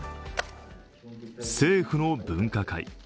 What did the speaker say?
政府の分科会。